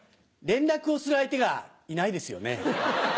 連絡をする相手がいないですよね。